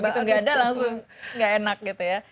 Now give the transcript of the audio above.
begitu gak ada langsung gak enak gitu ya